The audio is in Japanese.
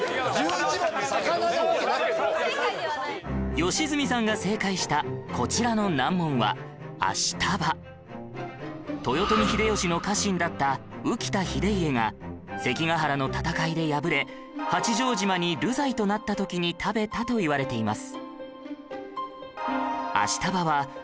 良純さんが正解したこちらの難問は豊臣秀吉の家臣だった宇喜多秀家が関ヶ原の戦いで敗れ八丈島に流罪となった時に食べたといわれています